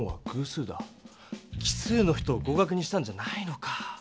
奇数の人を合かくにしたんじゃないのか。